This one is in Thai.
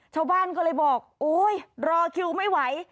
ชาวบ้านก็เลยบอกโอ๊ยรอคิวไม่ไหว